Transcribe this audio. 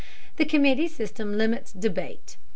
The committee system limits debate.